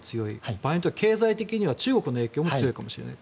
場合によっては経済的には中国の影響も強いかもしれない。